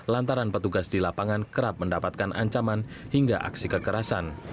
lantaran petugas di lapangan kerap mendapatkan ancaman hingga aksi kekerasan